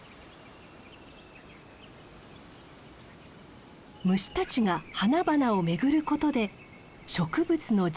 虫たちが花々を巡ることで植物の受粉が行われます。